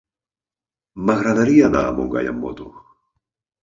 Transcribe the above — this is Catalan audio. M'agradaria anar a Montgai amb moto.